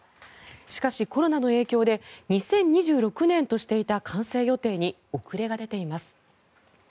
しかし、コロナの影響で２０２６年としていた完成予定に遅れが出ています。